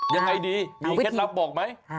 ยังไงดีมีเคล็ดลับบอกไหม